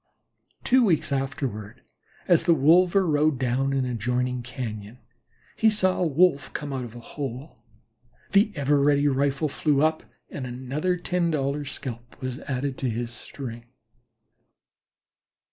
Two weeks afterward, as the wolver rode down an adjoining cañon, he saw a Wolf come out of a hole. The ever ready rifle flew up, and another ten dollar scalp was added to his string.